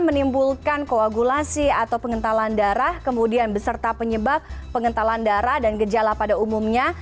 menimbulkan koagulasi atau pengentalan darah kemudian beserta penyebab pengentalan darah dan gejala pada umumnya